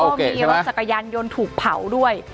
ก็มีรถจักรยานยนต์ถูกเผาด้วย